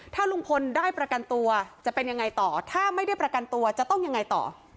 ถ้าลุงพลได้ประกันตัวจะเป็นยังไงต่อถ้าไม่ได้ประกันตัวจะต้องยังไงต่อ